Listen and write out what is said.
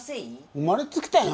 生まれつきだよ。